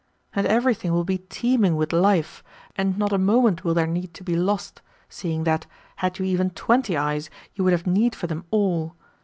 And everything will be teeming with life, and not a moment will there need to be lost, seeing that, had you even twenty eyes, you would have need for them all.